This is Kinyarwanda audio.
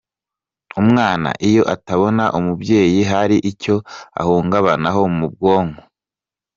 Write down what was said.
Umwana iyo atabona umubyeyi hari icyo ahungabanaho mu bwonko.